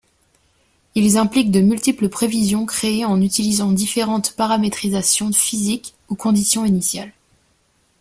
Ils impliquent de multiples prévisions créées en utilisant différentes paramétrisations physiques ou conditions initiales.